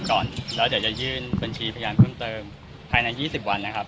ก่อนแล้วเดี๋ยวจะยื่นบัญชีพยานเพิ่มเติมภายใน๒๐วันนะครับ